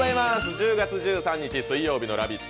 １０月１３日水曜日の「ラヴィット！」。